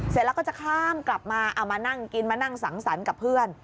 เสร็จแล้วก็จะข้ามกลับมาเอามานั่งกินมานั่งสังสรรค์กับเพื่อน